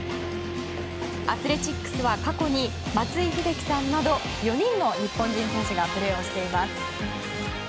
アスレチックスは過去に、松井秀喜さんなど４人の日本人選手がプレーをしています。